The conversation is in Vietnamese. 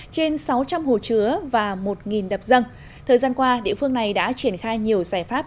trên sáu trăm linh hồ chứa và một đập răng thời gian qua địa phương này đã triển khai nhiều giải pháp